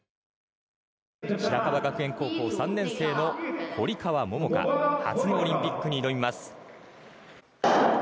初のオリンピックに挑みます。